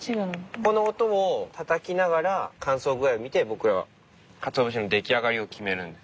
この音をたたきながら乾燥具合を見て僕らはかつお節の出来上がりを決めるんです。